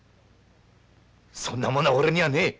そんなものは俺にはねえ。